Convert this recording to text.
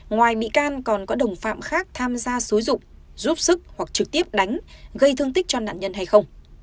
ngoài bị can còn có đồng phạm khác tham gia xúi rục giúp sức hoặc trực tiếp đánh gây thương tích cho nạn nhân hay không